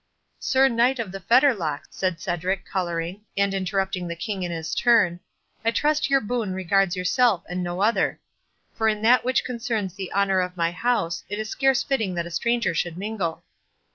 "Sir Knight of the Fetterlock," said Cedric, colouring, and interrupting the King in his turn, "I trust your boon regards yourself and no other; for in that which concerns the honour of my house, it is scarce fitting that a stranger should mingle."